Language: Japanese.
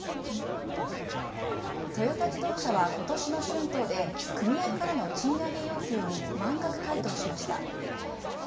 トヨタ自動車は今年の春闘で組合からの賃上げ要求に満額回答しました。